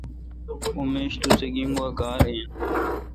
اؙن میش توسہ گیجین گوا کار این۔